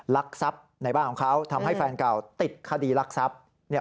ลักทรัพย์ในบ้านของเขาทำให้แฟนเก่าติดคดีรักทรัพย์เนี่ย